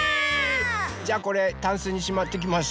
じゃあこれタンスにしまってきます。